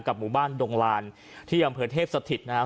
หมู่บ้านดงลานที่อำเภอเทพสถิตนะครับ